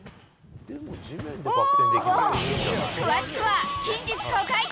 詳しくは、近日公開。